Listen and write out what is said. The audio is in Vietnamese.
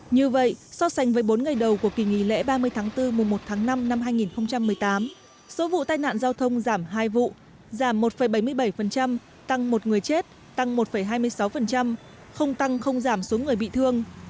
như vậy so sánh với bốn ngày đầu của kỳ nghỉ lễ ba mươi tháng bốn mùa một tháng năm năm hai nghìn một mươi tám số vụ tai nạn giao thông giảm hai vụ giảm một bảy mươi bảy tăng một người chết tăng một hai mươi sáu không tăng không giảm số người bị thương